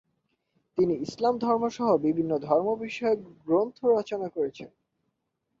তিনি ইসলাম ধর্ম সহ বিভিন্ন ধর্ম বিষয়ক গ্রন্থ রচনা করেছেন।